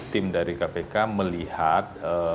tim dari kpk melihat